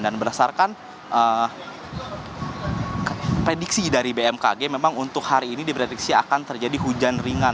dan berdasarkan prediksi dari bmkg memang untuk hari ini di prediksi akan terjadi hujan ringan